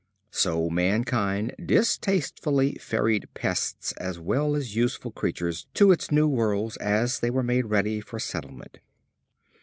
So mankind distastefully ferried pests as well as useful creatures to its new worlds as they were made ready for settlement.